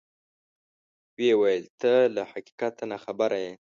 ویې ویل: ته له حقیقته ناخبره یې.